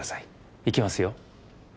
いきますよ。